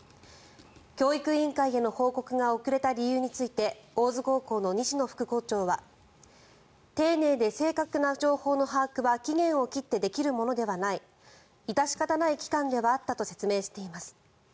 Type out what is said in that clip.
教育委員会への報告が遅れた理由について大津高校の西野副校長は丁寧で正確な情報の把握は期限を切ってできるものではない致し方ない期間ではあったと説明しています。